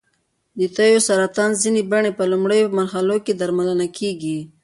د تیو سرطان ځینې بڼې په لومړیو مرحلو کې درملنه کېږي.